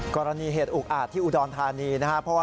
กรณีเหตุอุกอาจที่อุดรธานีนะครับ